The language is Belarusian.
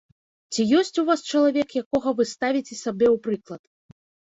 Ці ёсць у вас чалавек, якога вы ставіце сабе ў прыклад?